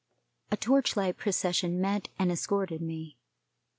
A torchlight procession met and escorted me.